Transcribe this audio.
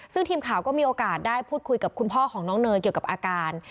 ซึ่งทีมข่าวก็มีโอกาสได้พูดคุยกับคุณพ่อของน้องเนยเกี่ยวกับอาการ